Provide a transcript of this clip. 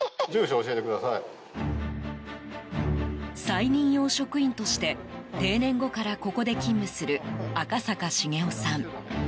再任用職員として定年後からここで勤務する赤坂茂雄さん。